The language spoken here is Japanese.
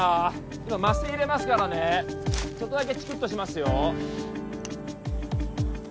今麻酔入れますからねちょっとだけチクッとしますよ